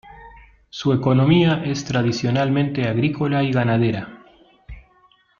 Su economía es tradicionalmente agrícola y ganadera.